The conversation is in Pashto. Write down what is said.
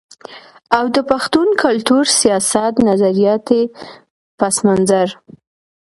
او د پښتون کلتور، سياست، نظرياتي پس منظر